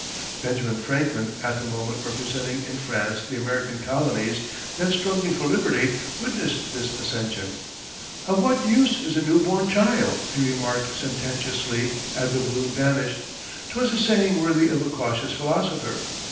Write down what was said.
Benjamin Franklin, at the moment representing in France the American colonies then struggling for liberty, witnessed this ascension! "Of what use is a new born child?" he remarked sententiously as the balloon vanished. 'Twas a saying worthy of a cautious philosopher.